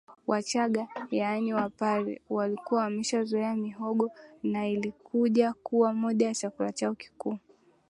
Wachagga yaani Wapare walikuwa wameshazoea mihogo na ilikuja kuwa moja ya chakula chao kikuu